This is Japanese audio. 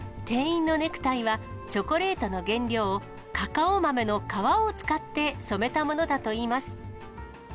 店員のネクタイは、チョコレートの原料、カカオ豆の皮を使って染めたものだといいます。